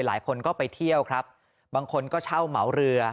หลายคนก็ไปเที่ยวครับบางคนก็เช่าเหมาเรือ